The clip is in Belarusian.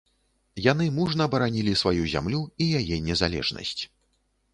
Яны мужна баранілі сваю зямлю і яе незалежнасць.